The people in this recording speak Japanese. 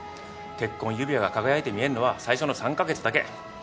結婚指輪が輝いて見えんのは最初の３カ月だけ。